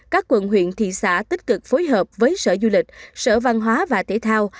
các quận huyện thị xã tích cực phối hợp với sở du lịch sở văn hóa và thể thao